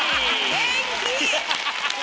元気！